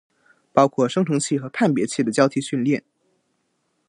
包括生成器和判别器的交替训练